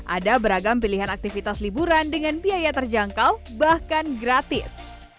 ada beragam pilihan aktivitas liburan dengan biaya terjangkau bahkan gratis